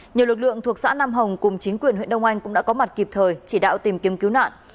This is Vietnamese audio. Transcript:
nhiều lực lượng thuộc xã nam hồng cùng chính quyền huyện đông anh cũng đã có mặt kịp thời chỉ đạo tìm kiếm cứu nạn